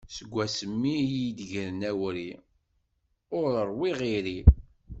Seg wass mi i yi-gren awri, ur wwiɣ iri.